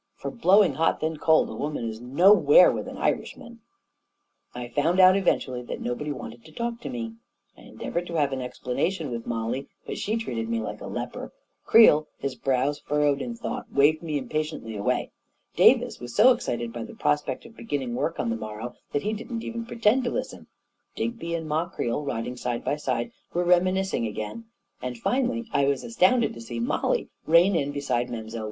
For blowing hot, then cold, a woman is nowhere with an Irishman I I found out, eventually, that nobody wanted to talk to me. I endeavored to have an explanation with Mollie, but she treated me like a leper; Creel, his brows furrowed in thought, waved me impa tiently away; Davis was so excited by the prospect of beginning work on the morrow that he didn't even pretend to listen; Digby and Ma Creel, riding side by side, were reminiscencing again; and finally I was astounded to see Mollie rein in beside Mile.